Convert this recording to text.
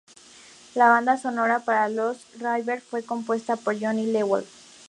La banda sonora para Lost River fue compuesta por Johnny Jewel.